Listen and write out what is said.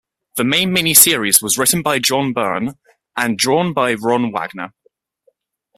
The main mini-series was written by John Byrne and drawn by Ron Wagner.